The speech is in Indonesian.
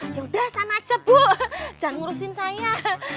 yaudah sana aja bu jangan ngurusin saya